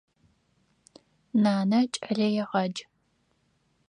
Нанэ кӏэлэегъадж.